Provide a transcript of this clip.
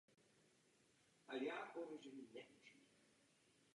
Dlouhodobě dopravce nabízí poskytování neveřejné dopravy různého typu.